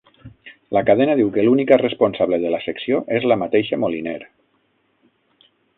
La cadena diu que l'única responsable de la secció és la mateixa Moliner